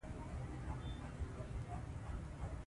ټټۍ، کېناراب او تشناب کلمې یوه معنا لري.